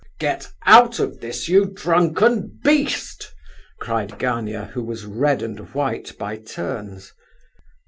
"Get out of this, you drunken beast!" cried Gania, who was red and white by turns.